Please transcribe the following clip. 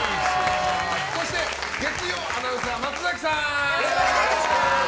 そして月曜アナウンサー松崎さん。